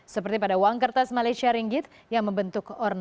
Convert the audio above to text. seperti pada uang kertas malaysia ringgit